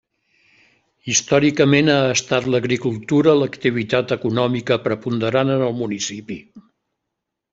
Històricament ha estat l'agricultura l'activitat econòmica preponderant en el municipi.